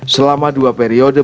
selama dua periode berlalu